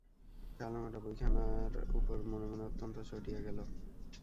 কালো মোটা বইখানার উপর মনে মনে অত্যন্ত চটিয়া গেল।